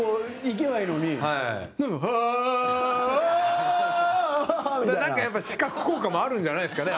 藤田：やっぱ、視覚効果もあるんじゃないですかね。